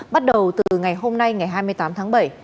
bắt đầu từ ngày hôm nay ngày hai mươi tám